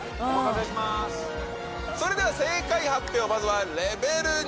それでは正解発表、まずはレベル２。